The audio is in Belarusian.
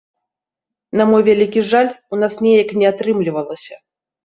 На мой вялікі жаль, у нас неяк не атрымлівалася.